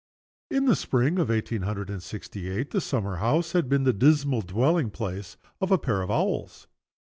In the spring of eighteen hundred and sixty eight the summer house had been the dismal dwelling place of a pair of owls.